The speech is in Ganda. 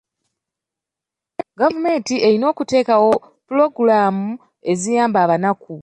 Gavumenti erina okuteekawo pulogulaamu eziyamba abanaku.